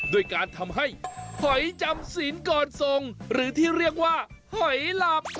ด้วยการทำให้หอยจำศีลก่อนทรงหรือที่เรียกว่าหอยหลับ